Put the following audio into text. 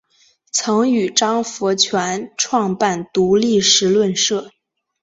曾与张佛泉创办独立时论社。